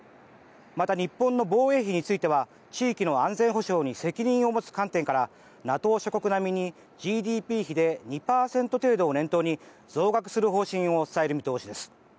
また、日本の防衛費については地域の安全保障に責任を持つ観点からＮＡＴＯ諸国並みにＧＤＰ比で２％程度を念頭に増額する方針を伝える見通しです。